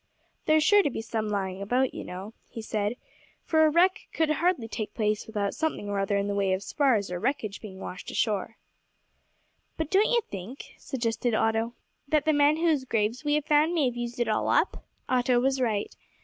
"There's sure to be some lying about, you know," he said, "for a wreck could hardly take place without something or other in the way of spars or wreckage being washed ashore." "But don't you think," suggested Otto, "that the men whose graves we have found may have used it all up?" Otto was right.